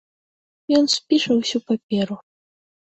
Ён спіша ўсю паперу.